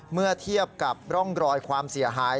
เมื่อเทียบกับร่องรอยความเสียหาย